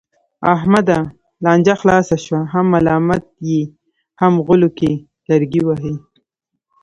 احمده! لانجه خلاصه شوه، هم ملامت یې هم غولو کې لرګی وهې.